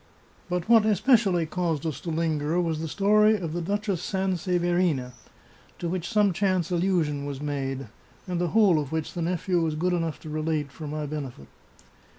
But what especially caused us to linger was the story of the Duch ess Sanseverina, to which some chance allusion was made, and the whole of which the nephew was good enough to relate, for my benefit.